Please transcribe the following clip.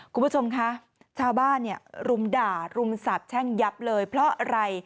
คุณผู้ชมคะชาวบ้านเนี่ยรุมด่ารุมสาบแช่งยับเลยเพราะอะไร